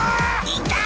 いた！